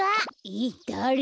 えっだれ？